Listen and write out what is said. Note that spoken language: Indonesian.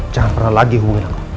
jangan pernah lagi hubungi aku